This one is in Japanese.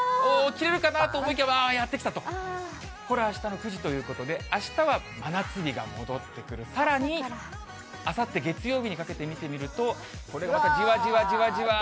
切れるかな？と思いきや、やって来たと。これ、あしたの９時ということで、あしたは真夏日が戻ってくる、さらにあさって月曜日にかけて見てみると、これまた、どんどん広がる。